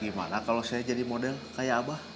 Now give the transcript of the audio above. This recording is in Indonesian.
gimana kalau saya jadi model kayak abah